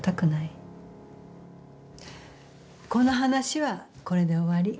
この話はこれで終わり。